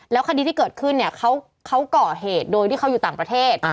คดีที่เกิดขึ้นเนี่ยเขาก่อเหตุโดยที่เขาอยู่ต่างประเทศ